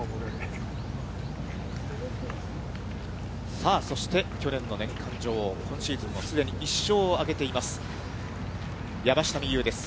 さあ、そして去年の年間女王、今シーズンもすでに１勝を挙げています、山下美夢有です。